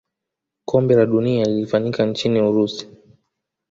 kombe la dunia lilifanyika nchini urusi